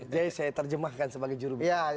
jadi saya terjemahkan sebagai jurubik